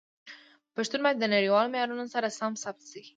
پښتو باید د نړیوالو معیارونو سره سم ثبت شي.